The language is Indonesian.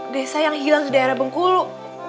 desa yang hilang di daerah bengkulu